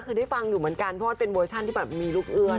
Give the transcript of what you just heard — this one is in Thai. คือฟังหรือเหมือนกันเพราะก็เป็นเวอร์ชั่นที่มีรูปอื่น